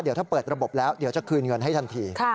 เดี๋ยวถ้าเปิดระบบแล้วเดี๋ยวจะคืนเงินให้ทันที